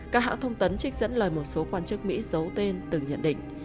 các hãng thông tấn trích dẫn lời một số quan chức mỹ giấu tên từng nhận định